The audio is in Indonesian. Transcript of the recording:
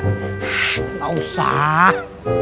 hah gak usah